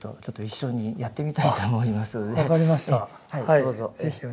どうぞ。